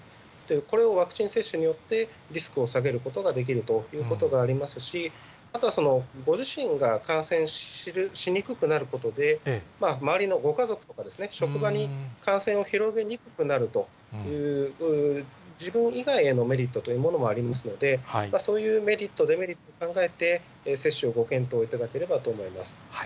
これはワクチン接種によってリスクを下げることができるということがありますし、あとはご自身が感染しにくくなることで、周りのご家族とかですね、職場に感染を広げにくくなるという、自分以外へのメリットというものもありますので、そういうメリット、デメリットを考えて、接種をご検討いただければと思います。